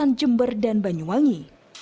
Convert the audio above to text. kawasan jember dan banyuwangi